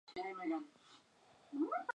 Se encuentra en los ríos Volga y Ural.